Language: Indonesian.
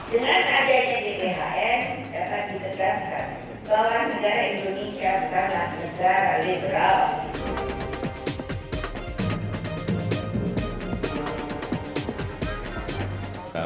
dengan adanya gbhn dapat ditegaskan bahwa negara indonesia bukanlah negara liberal